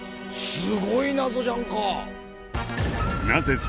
すごい謎じゃんかなぜ